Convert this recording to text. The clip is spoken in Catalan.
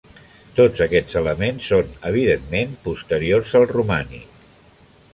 Tots aquests elements són evidentment posteriors al romànic.